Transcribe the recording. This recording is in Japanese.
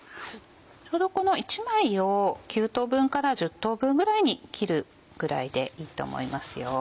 ちょうどこの１枚を９等分から１０等分ぐらいに切るぐらいでいいと思います。